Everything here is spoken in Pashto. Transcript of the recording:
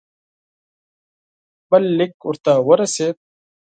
بل لیک ورته ورسېد.